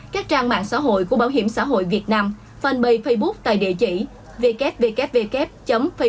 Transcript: các trang mạng xã hội của bảo hiểm xã hội việt nam phần bày facebook tại địa chỉ www facebook com gc b s g